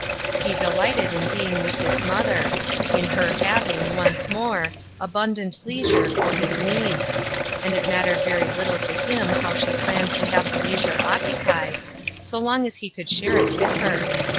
He delighted in being with his mother ; in her having, once more, abundant leisure for his needs ; and it mat tered very little to him how she planned to have the leisure occupied, so that he could share it with her.